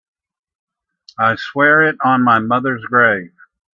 I swear it on my mother's grave.